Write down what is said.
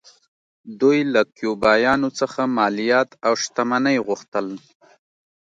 دوی له کیوبایانو څخه مالیات او شتمنۍ غوښتل